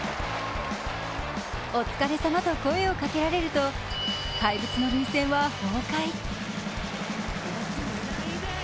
お疲れさまと声をかけられると、怪物の涙腺は崩壊。